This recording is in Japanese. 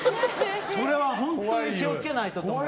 それは本当に気を付けないとと思って。